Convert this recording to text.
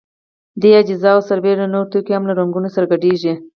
دې اجزاوو سربېره نور توکي هم له رنګونو سره ګډیږي.